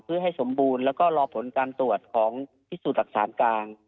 เพื่อให้สมบูรณ์แล้วก็รอผลการตรวจของพิสูจน์หลักฐานกลาง